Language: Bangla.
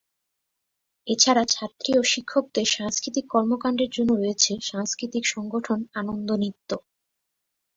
এছাড়া ছাত্রী ও শিক্ষকদের সাংস্কৃতিক কর্মকাণ্ডের জন্য রয়েছে সাংস্কৃতিক সংগঠন আনন্দ নৃত্য।